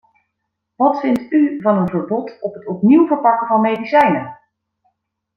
Wat vindt u van een verbod op het opnieuw verpakken van medicijnen?